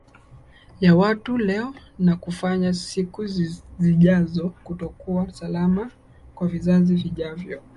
ya watu leo na kufanya siku zijazo kutokuwa salama kwa vizazi vijavyo